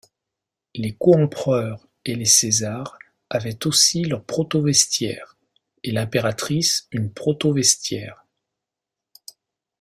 Les coempereurs et les césars avaient aussi leur protovestiaire, et l'impératrice une protovestiaire.